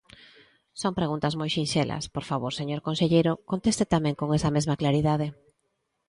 Son preguntas moi sinxelas, por favor, señor conselleiro, conteste tamén con esa mesma claridade.